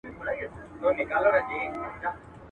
که څوک د مذهب مخالفت کوي مجازات کيږي.